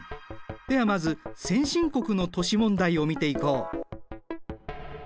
ではまず先進国の都市問題を見ていこう。